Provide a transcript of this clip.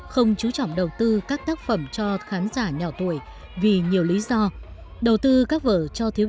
không chú trọng đầu tư các tác phẩm cho khán giả nhỏ tuổi vì nhiều lý do đầu tư các vở cho thiếu